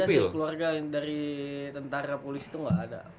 enggak ada sih keluarga dari tentara polis itu nggak ada